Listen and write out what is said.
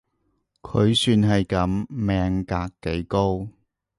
佢算係噉，命格幾高